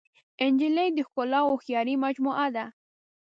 نجلۍ د ښکلا او هوښیارۍ مجموعه ده.